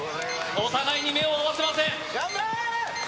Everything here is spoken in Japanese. お互いに目を合わせません・ガンバ！